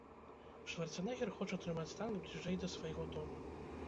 Шварцэнегер хоча трымаць танк бліжэй да свайго дома.